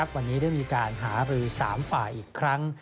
วันนี้ได้มีการหารือ๓ฝ่ายอีกครั้ง